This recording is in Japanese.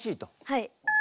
はい。